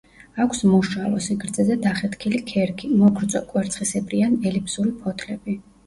აქვს მოშავო, სიგრძეზე დახეთქილი ქერქი, მოგრძო კვერცხისებრი ან ელიფსური ფოთლები.